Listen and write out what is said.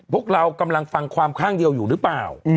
พวกเรากำลังฟังความข้างเดียวอยู่หรือเปล่า